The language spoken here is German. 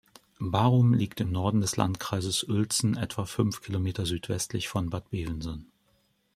Barum liegt im Norden des Landkreises Uelzen etwa fünf Kilometer südwestlich von Bad Bevensen.